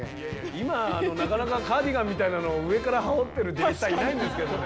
今なかなかカーディガンみたいなのを上から羽織ってるディレクターいないんですけどね。